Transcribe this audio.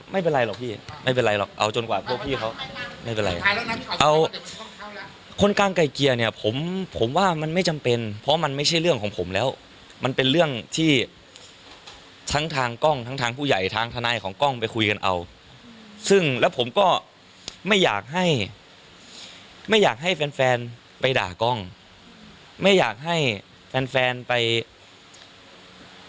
ไม่เป็นไรหรอกพี่ไม่เป็นไรหรอกเอาจนกว่าพวกพี่เขาไม่เป็นไรเอาคนกลางไก่เกลี่ยเนี่ยผมผมว่ามันไม่จำเป็นเพราะมันไม่ใช่เรื่องของผมแล้วมันเป็นเรื่องที่ทั้งทางกล้องทั้งทางผู้ใหญ่ทางทนายของกล้องไปคุยกันเอาซึ่งแล้วผมก็ไม่อยากให้ไม่อยากให้แฟนแฟนไปด่ากล้องไม่อยากให้แฟนแฟนไป